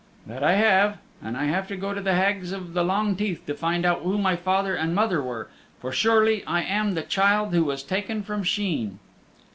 "That I have. And I have to go to the Hags of the Long Teeth to find out who my father and mother were, for surely I am the child who was taken from Sheen."